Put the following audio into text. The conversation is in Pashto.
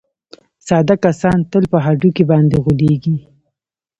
ساده کسان تل په هډوکي باندې غولېږي.